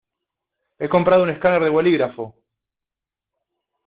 He comprado un escáner de bolígrafo.